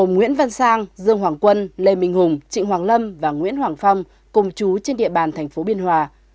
nguyễn hoàng quân lê minh hùng trịnh hoàng lâm và nguyễn hoàng phong cùng chú trên địa bàn thành phố biên hòa